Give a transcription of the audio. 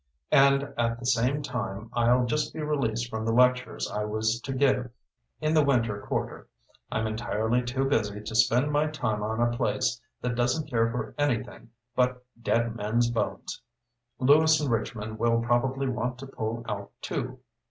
And, at the same time, I'll just be released from the lectures I was to give in the winter quarter. I'm entirely too busy to spend my time on a place that doesn't care for anything but dead men's bones. Lewis and Richmond will probably want to pull out too.